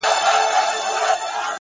د باد نرم حرکت د چاپېریال ژبه بدلوي.!